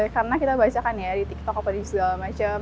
karena kita bacakan ya di tiktok apa di segala macam